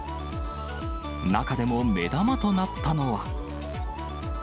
中でも目玉となったのは。